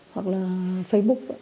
hoặc là facebook